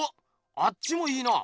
あっちもいいな！